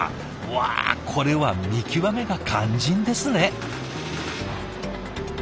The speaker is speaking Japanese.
わあこれは見極めが肝心ですね。